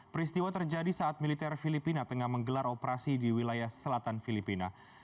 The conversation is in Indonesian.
peristiwa terjadi saat militer filipina tengah menggelar operasi di wilayah selatan filipina